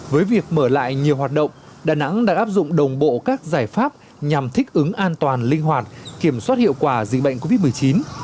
với việc mở lại nhiều hoạt động đà nẵng đã áp dụng đồng bộ các giải pháp nhằm thích ứng an toàn linh hoạt kiểm soát hiệu quả dịch bệnh covid một mươi chín